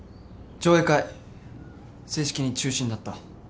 上映会正式に中止になった。